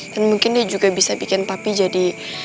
dan mungkin dia juga bisa bikin papi jadi